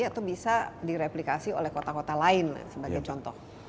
atau bisa direplikasi oleh kota kota lain sebagai contoh